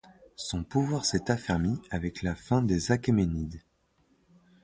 Son pouvoir s’est affermi avec la fin des Achéménides.